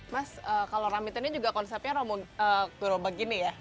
mas kalau ramiten ini juga konsepnya gerobak gini ya